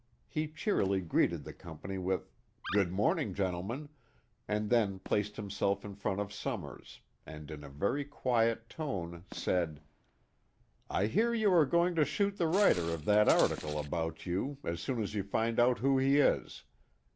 He cheerily greeted the company with "Good morning, gentlemen," and then placed himself in front of Summers, and in a very quiet tone said: "I hear you are going to shoot the writer of that article about you, as soon as you find out who he is.